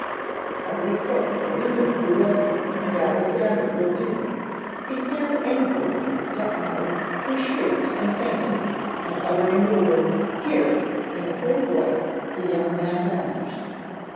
As he spoke, the window flew open, and Alexander looked in. He stared angrily at his stepmother, who shrieked and fainted; and uttering the word 'Here' in a clear voice, the young man vanished.